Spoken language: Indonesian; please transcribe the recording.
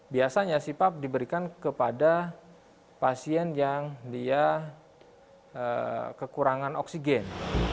biasanya cpap diberikan kepada pasien yang dia kekurangan oksigen